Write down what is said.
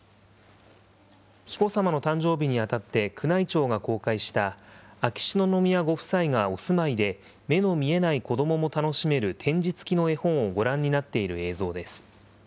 紀子さまの誕生日にあたって、宮内庁が公開した秋篠宮ご夫妻がお住まいで、目の見えない子どもも楽しめる点字付きの絵本をご覧になっている映像です。